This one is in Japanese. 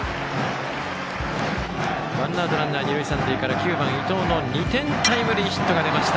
ワンアウト、ランナー二塁三塁から９番、伊藤の２点タイムリーヒットが出ました。